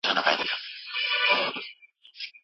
ځکه چي ښایسته یم